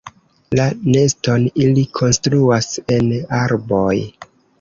La neston ili konstruas en arboj.